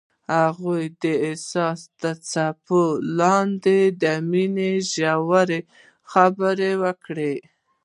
هغوی د حساس څپو لاندې د مینې ژورې خبرې وکړې.